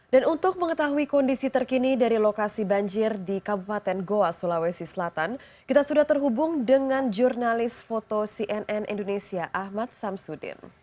dan untuk mengetahui kondisi terkini dari lokasi banjir di kabupaten goa sulawesi selatan kita sudah terhubung dengan jurnalis foto cnn indonesia ahmad samsudin